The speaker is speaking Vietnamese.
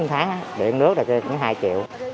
một tháng điện nước là hai triệu